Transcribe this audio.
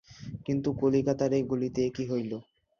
কিন্তু, কলিকাতার এই গলিতে এ কী হইল!